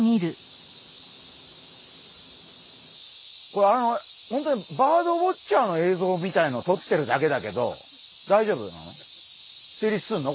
これ本当にバードウォッチャーの映像みたいのをとってるだけだけど大丈夫なの？